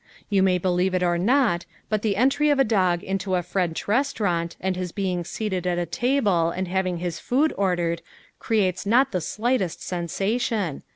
You may believe it or not, but the entry of a dog into a French restaurant and his being seated at a table and having his food ordered creates not the slightest sensation.